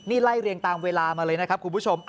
นี่ไล่เรียงตามเวลามาเลยนะครับคุณผู้ชม